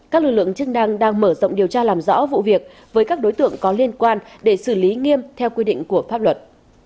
các lực lượng chức năng đang mở rộng điều tra làm rõ vụ việc với các đối tượng có liên quan để xử lý nghiêm theo quy định của pháp luật